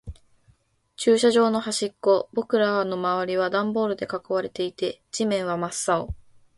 駐車場の端っこ。僕らの周りはダンボールで囲われていて、地面は真っ青。